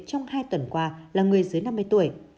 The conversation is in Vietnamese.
trong hai tuần qua là người dưới năm mươi tuổi